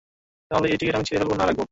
তাহলে, এই টিকিট আমি ছিরে ফেলবো না রাখবো?